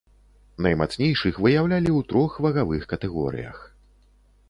Наймацнейшых выяўлялі ў трох вагавых катэгорыях.